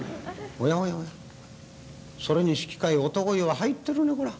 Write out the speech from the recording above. おやおやおやそれに引き換え男湯は入ってるねこら。